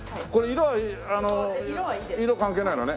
色関係ないのね。